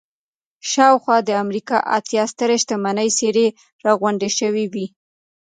شاوخوا د امريکا اتيا سترې شتمنې څېرې را غونډې شوې وې.